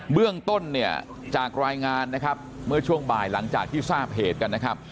เบื้องต้นเนี่ยจากรายงานนะครับเมื่อช่วงบ่ายหลังจากที่ทราบเหตุกันนะครับ